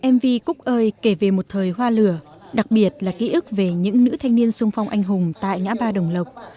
mv cúc ơi kể về một thời hoa lửa đặc biệt là ký ức về những nữ thanh niên sung phong anh hùng tại ngã ba đồng lộc